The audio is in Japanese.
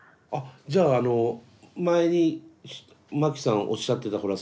じゃああの前にまきさんおっしゃってたほら